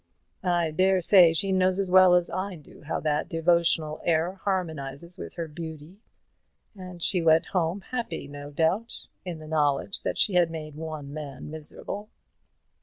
I dare say she knows as well as I do how that devotional air harmonizes with her beauty; and she went home happy, no doubt, in the knowledge that she had made one man miserable.